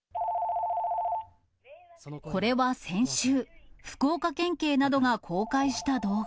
これは先週、福岡県警などが公開した動画。